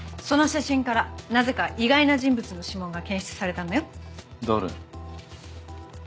その写真からなぜか意外な人物の指紋が検出されたのよ。